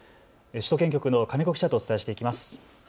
首都圏局の金子記者とお伝えしていきます。